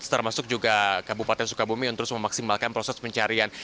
termasuk juga kabupaten sukabumi untuk memaksimalkan proses pencarian